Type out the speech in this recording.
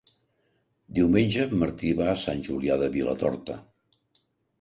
Diumenge en Martí va a Sant Julià de Vilatorta.